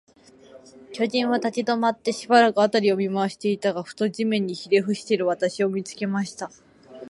巨人は立ちどまって、しばらく、あたりを見まわしていましたが、ふと、地面にひれふしている私を、見つけました。